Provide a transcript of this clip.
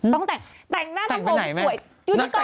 ต้องแต่งแต่งหน้าทำผมสวยอยู่ที่กล้องแต่งไปไหนไหม